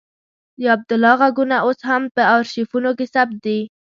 د عبدالله غږونه اوس هم په آرشیفونو کې ثبت دي.